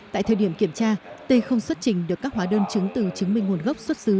tại thời điểm kiểm tra tê không xuất trình được các hóa đơn chứng từ chứng minh nguồn gốc xuất xứ